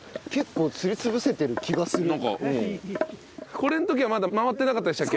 これの時はまだ回ってなかったでしたっけ？